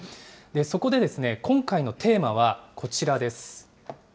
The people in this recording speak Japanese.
そこで、今回のテーマはこちらです。